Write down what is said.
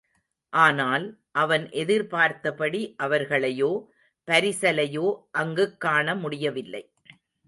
ஆனால், அவன் எதிர்பார்த்தபடி அவர்களையோ, பரிசலையோ அங்குக் காண முடியவில்லை.